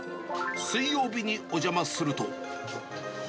水曜日にお邪魔すると。